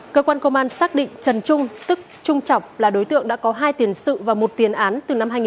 cơ quan công an xác định trần trung tức trung trọng là đối tượng đã có hai tiền sự và một tiền án từ năm hai nghìn một mươi